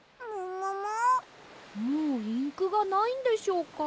もうインクがないんでしょうか？